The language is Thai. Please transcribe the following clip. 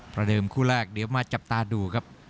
ประเดิมคู่แรกเดี๋ยวมาจับตาดูครับ